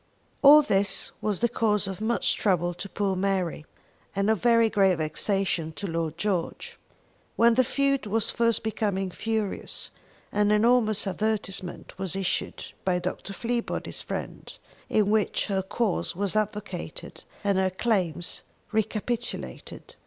All this was the cause of much trouble to poor Mary, and of very great vexation to Lord George. When the feud was first becoming furious, an enormous advertisement was issued by Dr. Fleabody's friends, in which her cause was advocated and her claims recapitulated.